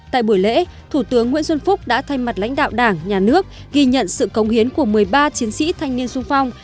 tại buổi lễ thủ tướng nguyễn xuân phúc đã thay mặt lãnh đạo đảng nhà nước ghi nhận sự công hiến của một mươi ba chiến sĩ thanh niên sung phong